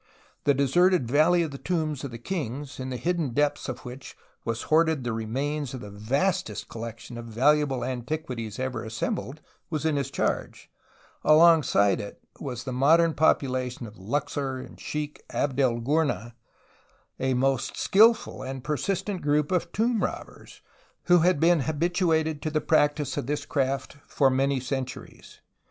The deserted Valley of the Tombs of the Kings, in the hidden depths of which was hoarded the remains of the vastest collection of valuable antiquities ever assembled, was in his charge, and alongside it the modern population of Luxor and Sheikh abd el Gournah, the most skilful and persistent group of tomb robbers who had been habituated to the practice of this craft for many centuries.